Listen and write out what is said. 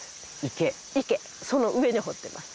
その上に掘ってます。